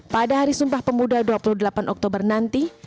pada hari sumpah pemuda dua puluh delapan oktober nanti